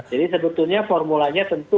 jadi sebetulnya formulanya tentu